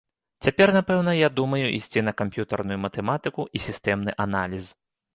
Цяпер, напэўна, я думаю ісці на камп'ютарную матэматыку і сістэмны аналіз.